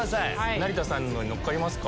成田さんのに乗りますか？